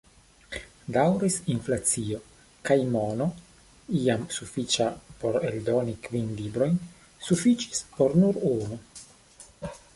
Daŭris inflacio, kaj mono, iam sufiĉa por eldoni kvin librojn, sufiĉis por nur unu.